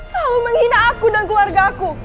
selalu menghina aku dan keluarga aku